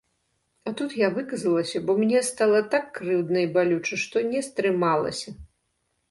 А тут я выказалася, бо мне стала так крыўдна і балюча, што не стрымалася.